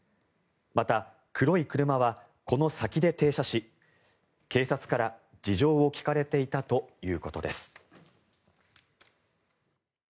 また、黒い車はこの先で停車し警察から事情を聴かれていたということです。